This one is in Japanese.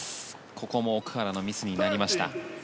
ここも奥原のミスになりました。